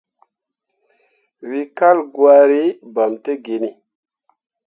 We kal gwari, bam tə genni.